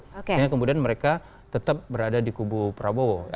sehingga kemudian mereka tetap berada di kubu prabowo